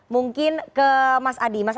mungkin ke mas adi